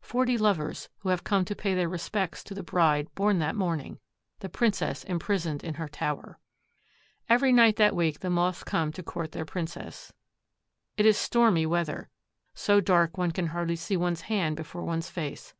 Forty lovers, who have come to pay their respects to the bride born that morning—the princess imprisoned in her tower! Every night that week the Moths come to court their princess. It is stormy weather, so dark one can hardly see one's hand before one's face.